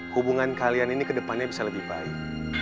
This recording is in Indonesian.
hubungan kalian ini ke depannya bisa lebih baik